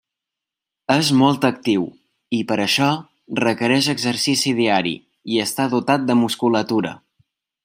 És molt actiu, i per això requereix exercici diari, i està dotat de musculatura.